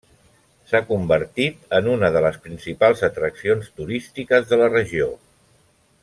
S'ha convertit en una de les principals atraccions turístiques de la regió.